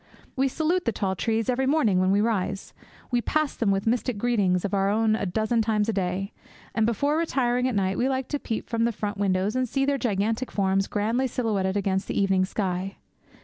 We salute the tall trees every morning when we rise; we pass them with mystic greetings of our own a dozen times a day; and, before retiring at night, we like to peep from the front windows and see their gigantic forms grandly silhouetted against the evening sky.